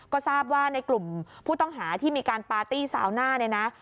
ก็ทราบว่าในกลุ่มผู้ต้องหาที่มีการปาร์ตี้ซาวน่า